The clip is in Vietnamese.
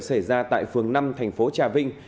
xảy ra tại phường năm thành phố trà vinh